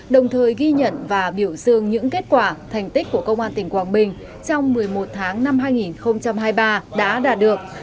đồng thời ghi nhận và biểu dương những kết quả thành tích của công an tỉnh quảng bình trong một mươi một tháng năm hai nghìn hai mươi ba đã đạt được